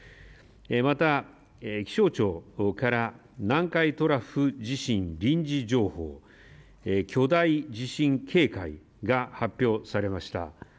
また、気象庁から南海トラフ地震臨時情報、巨大地震警戒が発表されました。